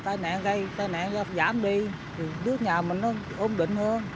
tai nạn gây tai nạn giảm đi đứa nhà mình ốm định hơn